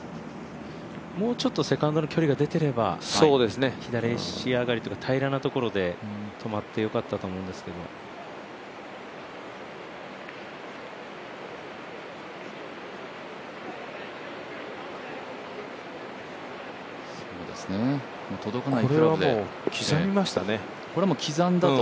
もうちょっとセカンドの距離が出てれば、左足上がりとかで平らなところで止まってよかったと思うんですけどこれはもう刻みましたね。